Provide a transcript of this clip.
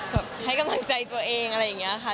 แบบให้กำลังใจตัวเองอะไรอย่างนี้ค่ะ